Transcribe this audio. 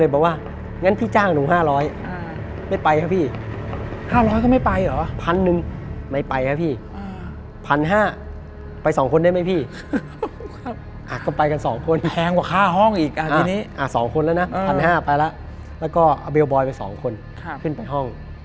บ๊วยอ่ะ๒คนแล้วนะ๑๕๐๐ไปแล้วแล้วก็เบลล์บอยไป๒คนขึ้นไปห้อง